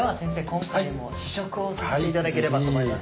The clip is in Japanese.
今回も試食をさせていただければと思います。